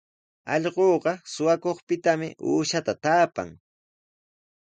Allquqa suqakuqpitami uushata taapan.